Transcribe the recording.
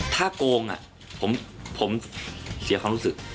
ถ้าโกงผมเสียความรู้สึก